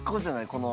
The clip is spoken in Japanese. この。